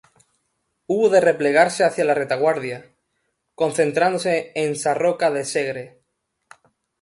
Hubo de replegarse hacia la retaguardia, concentrándose en Sarroca de Segre.